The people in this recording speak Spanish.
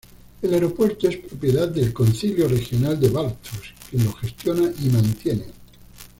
El aeropuerto es propiedad del Concilio Regional de Bathurst, quien lo gestiona y mantiene.